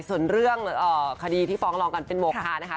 ส่วนเรื่องคดีที่ฟ้องรองกันเป็นบวกค่ะนะคะ